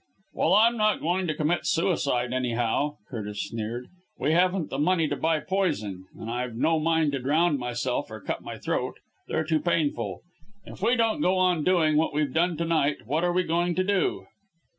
"Well, I'm not going to commit suicide anyhow," Curtis sneered. "We haven't the money to buy poison and I've no mind to drown myself or cut my throat they're too painful! If we don't go on doing what we've done to night, what are we going to do?"